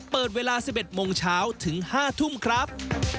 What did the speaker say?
เปิดเวลา๑๑โมงเช้าถึง๕ทุ่มครับ